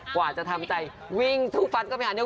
กว่าจะทำใจวิ่งทุกฟันกลับมาหาแม่มิว